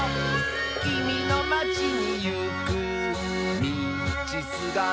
「きみのまちにいくみちすがら」